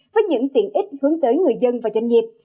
với những tiện ích hướng tới người dân và doanh nghiệp